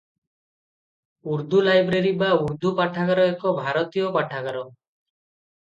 Urdu library ବା ଉର୍ଦ୍ଦୁ ପାଠାଗାର ଏକ ଭାରତୀୟ ପାଠାଗାର ।